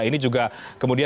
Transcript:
ini juga kemudian diperhatikan